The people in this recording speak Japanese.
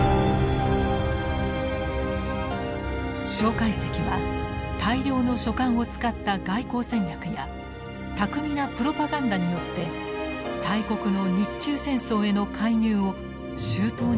介石は大量の書簡を使った外交戦略や巧みなプロパガンダによって大国の日中戦争への介入を周到に引き出そうとしていました。